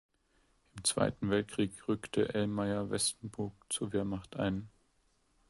Im Zweiten Weltkrieg rückte Elmayer-Vestenbrugg zur Wehrmacht ein.